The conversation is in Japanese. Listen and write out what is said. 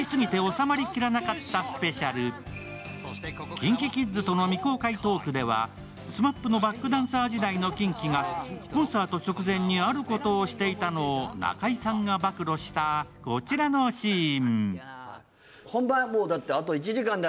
ＫｉｎＫｉＫｉｄｓとの未公開トークではＳＭＡＰのバックダンサー時代のキンキがコンサート直前にあることをしていたのを中居さんが暴露したこちらのシーン。